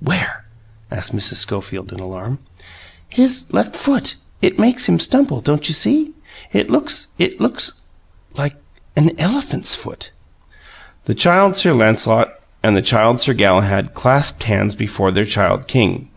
"Where?" asked Mrs. Schofield, in alarm. "His left foot. It makes him stumble. Don't you see? It looks it looks like an elephant's foot!" The Child Sir Lancelot and the Child Sir Galahad clasped hands before their Child King.